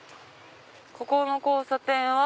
ここの交差点は？